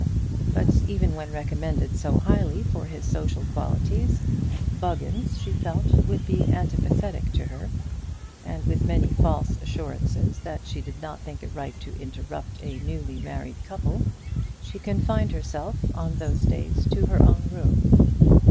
But even when recommended so highly for his social qualities, Buggins, she felt, would be antipathetic to her; and, with many false assurances that she did not think it right to interrupt a newly married couple, she confined herself on those days to her own room.